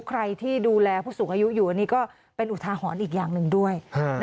ใครที่ดูแลผู้สูงอายุอยู่อันนี้ก็เป็นอุทาหรณ์อีกอย่างหนึ่งด้วย